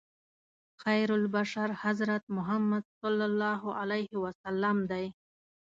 خیرالبشر حضرت محمد صلی الله علیه وسلم دی.